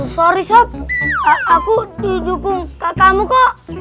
sorry soft aku didukung kakakmu kok